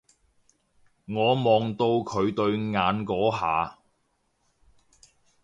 我望到佢對眼嗰下